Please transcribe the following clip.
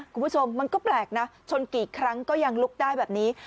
คุณผู้ชมมันก็แปลกนะชนกี่ครั้งก็ยังลุกได้แบบนี้